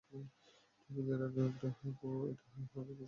তো বিদায়ের আগে এই হাগু পরিষ্কার করানোর মানেটা কী?